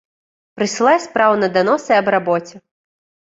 Прысылай спраўна даносы аб рабоце.